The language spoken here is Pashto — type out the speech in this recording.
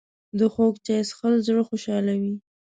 د خوږ چای څښل زړه خوشحالوي